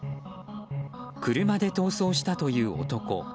車で逃走したという男。